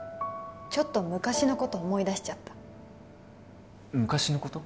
ちょっと昔のこと思い出しちゃった昔のこと？